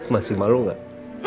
masih malu gak